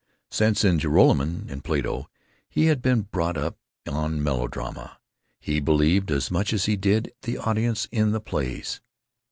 Since, in Joralemon and Plato, he had been brought up on melodrama, he believed as much as did the audience in the plays.